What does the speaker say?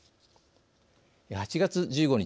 ８月１５日